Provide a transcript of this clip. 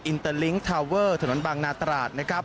อินเตอร์ลิงค์ทาวเวอร์ถนนบางนาตราดนะครับ